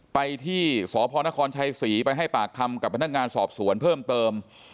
ไปที่สพนครชัยศรีไปให้ปากคำกับพนักงานสอบสวนเพิ่มเติม